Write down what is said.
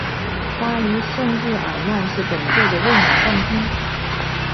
巴黎圣日耳曼是本届的卫冕冠军。